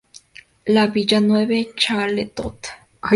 La Villeneuve-au-Châtelot